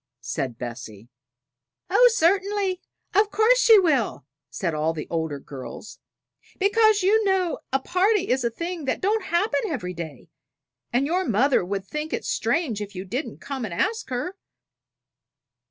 said Bessie. "Oh, certainly; of course she will," said all the older girls, "because you know a party is a thing that don't happen every day, and your mother would think it strange if you didn't come and ask her."